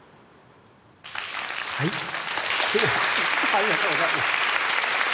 ありがとうございます。